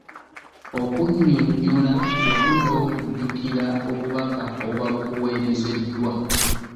Okunnyonnyola wamu n’okujjukira obubaka obuba bukuweerezeddwa.